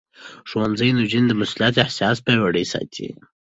ښوونځی نجونې د مسؤليت احساس پياوړې ساتي.